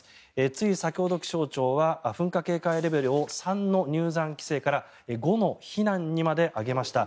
つい先ほど、気象庁は噴火警戒レベルを３の入山規制から５の避難にまで上げました。